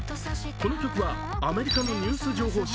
この曲はアメリカのニュース情報誌